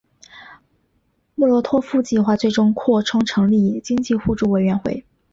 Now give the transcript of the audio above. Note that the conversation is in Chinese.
莫洛托夫计划最终扩充成立经济互助委员会。